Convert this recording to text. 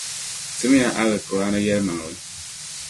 Timiya Alkur’aani yɛlimaŋli.